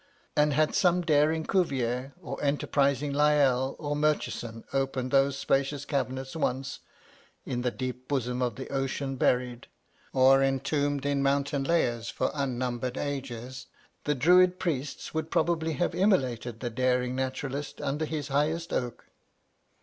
And had some daring Cuvier, or enterprising Lyell or Murchison, opened those spacious cabinets, once 'In the deep bosom of the ocean buried,' or entombed in mountain layers for unnumbered ages, the Druid priests would probably have immolated the daring naturalist under his highest oak.